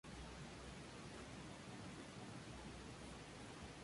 Además, fue asesor jurídico del Ministerio del Interior durante el gobierno de Salvador Allende.